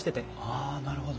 ああなるほど。